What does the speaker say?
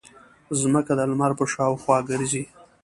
ځمکه د لمر په شاوخوا ګرځي.